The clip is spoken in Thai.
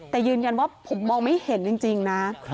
แต่ยืนยันว่าผมมองไม่เห็นจริงนะ